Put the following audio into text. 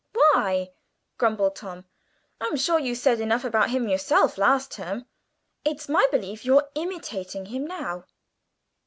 "Why," grumbled Tom, "I'm sure you said enough about him yourself last term. It's my belief you're imitating him now."